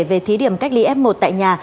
về thí điểm cách ly f một tại nhà